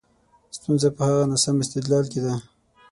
ستونزه په هغه ناسم استدلال کې ده.